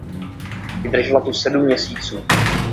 Vydržela tu sedm měsíců.